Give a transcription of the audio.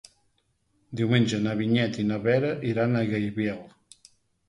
Diumenge na Vinyet i na Vera iran a Gaibiel.